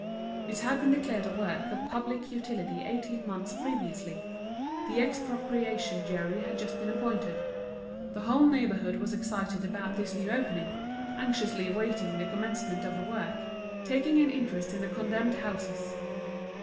It had been declared a work of public utility eighteen months previously; the expropriation jury had just been appointed. The whole neighbourhood was excited about this new opening, anxiously awaiting the commencement of the work, taking an interest in the condemned houses.